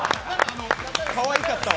かわいかったわ。